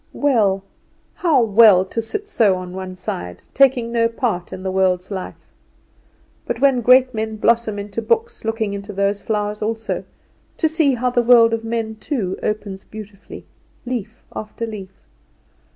Well, how well, to sit so on one side taking no part in the world's life; but when great men blossom into books looking into those flowers also, to see how the world of men too opens beautifully, leaf after leaf.